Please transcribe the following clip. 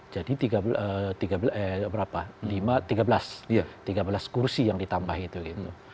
jadi tiga belas kursi yang ditambah itu gitu